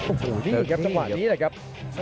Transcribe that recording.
โอ้โหนี่ครับจังหวะนี้แหละครับ